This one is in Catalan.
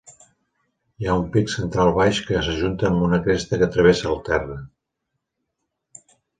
Hi ha un pic central baix que s'ajunta amb una cresta que travessa el terra.